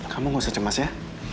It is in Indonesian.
kamu gak usah cemas ya